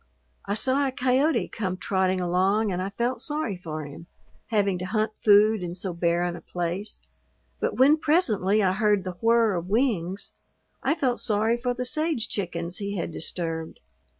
I saw a coyote come trotting along and I felt sorry for him, having to hunt food in so barren a place, but when presently I heard the whirr of wings I felt sorry for the sage chickens he had disturbed.